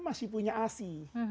masih punya asi